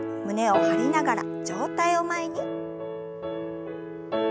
胸を張りながら上体を前に。